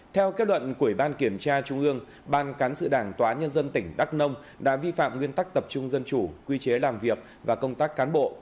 theo kết luận của ủy ban kiểm tra trung ương ban cán sự đảng tòa nhân dân tỉnh đắk nông đã vi phạm nguyên tắc tập trung dân chủ quy chế làm việc và công tác cán bộ